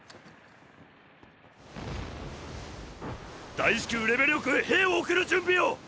大至急レベリオ区へ兵を送る準備を！！